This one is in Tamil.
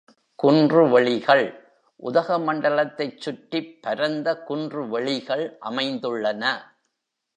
குன்று வெளிகள் உதகமண்டலத்தைச் சுற்றிப் பரந்த குன்று வெளிகள் அமைந்துள்ளன.